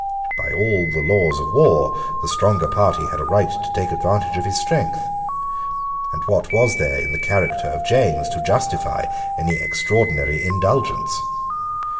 By all the laws of war the stronger party had a right to take advantage of his strength; and what was there in the character of James to justify any extraordinary indulgence?